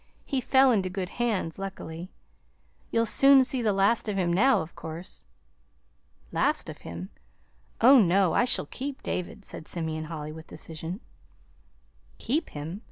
He fell into good hands, luckily. You'll soon see the last of him now, of course." "Last of him? Oh, no, I shall keep David," said Simeon Holly, with decision. "Keep him!